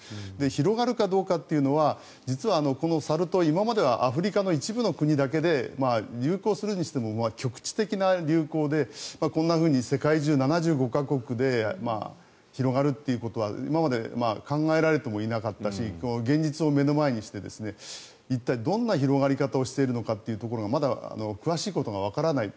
広がるかどうかというのは実は、このサル痘今まではアフリカの一部の国だけで流行するにしても局地的な流行でこんなふうに世界中の７５か国で広がるということは今まで考えられてもいなかったし現実を目の前にして一体どんな広がり方をしているのかっていうところがまだ詳しいことがわからない。